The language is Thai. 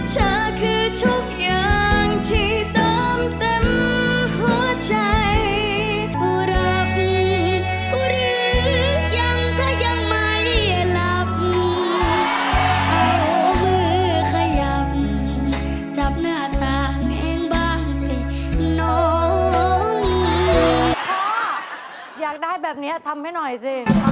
หรือยังถ้ายังไม่หลับเอามือขยับจับหน้าตาแม่งบ้างสิน้อง